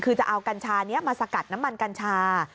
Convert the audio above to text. คือจะเอากัญชานี้มาสกัดน้ำมันกัญชา